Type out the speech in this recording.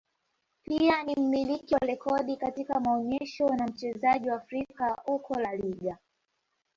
pia ni mmiliki wa rekodi katika maonyesho na mchezaji wa Afrika huko La Liga